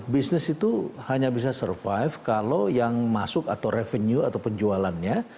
bisnis itu hanya bisa survive kalau yang masuk atau revenue atau penjualannya